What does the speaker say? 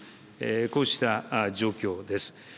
こうした状況です。